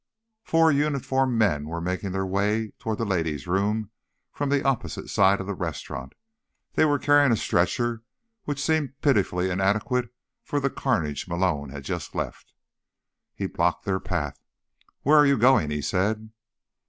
Four uniformed men were making their way toward the ladies' room from the opposite side of the restaurant. They were carrying a stretcher, which seemed pitifully inadequate for the carnage Malone had just left. He blocked their path. "Where are you going?" he said.